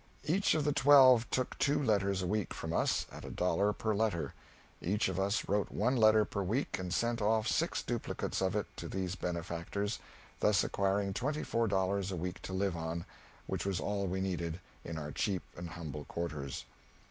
Each of the twelve took two letters a week from us, at a dollar per letter; each of us wrote one letter per week and sent off six duplicates of it to these benefactors, thus acquiring twenty four dollars a week to live on which was all we needed, in our cheap and humble quarters.